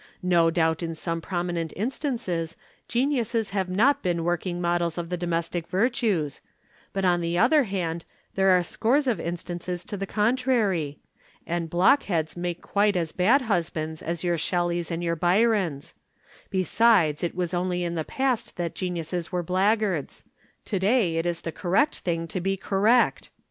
No doubt in some prominent instances geniuses have not been working models of the domestic virtues, but on the other hand there are scores of instances to the contrary. And blockheads make quite as bad husbands as your Shelleys and your Byrons. Besides it was only in the past that geniuses were blackguards; to day it is the correct thing to be correct.